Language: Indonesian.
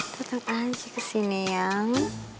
tetep aja kesini yang